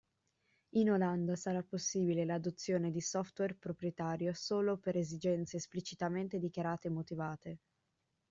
In Olanda sarà possibile l'adozione di software proprietario solo per esigenze esplicitamente dichiarate e motivate.